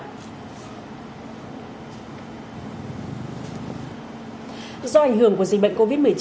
do ảnh hưởng của dịch bệnh covid một mươi chín